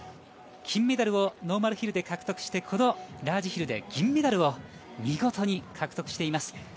金メダルをノーマルヒルで獲得してこのラージヒルで銀メダルを見事に獲得しています。